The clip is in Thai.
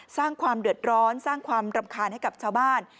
สร้างความเดือดร้อนสร้างความรำคาญให้กับชาวบ้าน